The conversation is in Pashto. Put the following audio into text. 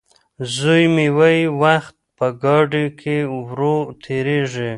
زوی مې وايي وخت په ګاډي کې ورو تېرېږي.